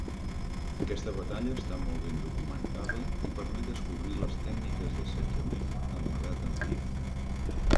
Aquesta batalla està molt ben documentada i permet descobrir les tècniques d'assetjament en l'edat antiga.